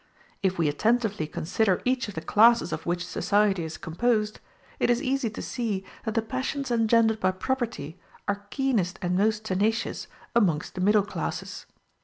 If we attentively consider each of the classes of which society is composed, it is easy to see that the passions engendered by property are keenest and most tenacious amongst the middle classes.